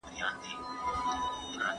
ټولنپوهنه ټولنیز واقعیتونه څېړي.